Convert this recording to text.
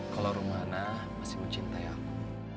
kalau rumana masih mencintai aku